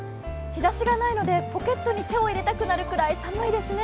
日差しがないのでポケットに手を入れたくなるぐらい寒いですね。